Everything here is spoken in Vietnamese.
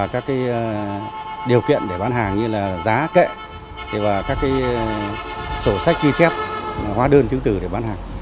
các điều kiện để bán hàng như là giá kệ và các sổ sách ghi chép hóa đơn chứng từ để bán hàng